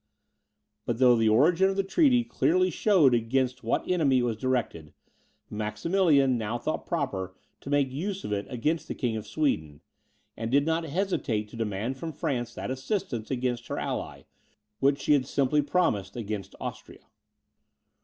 But though the origin of the treaty clearly showed against what enemy it was directed, Maximilian now thought proper to make use of it against the King of Sweden, and did not hesitate to demand from France that assistance against her ally, which she had simply promised against Austria.